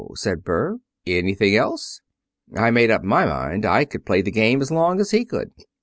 said Berg. 'Anything else?' "I made up my mind I could play the game as long as he could.